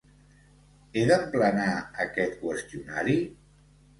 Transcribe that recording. He d'emplenar aquest qüestionari?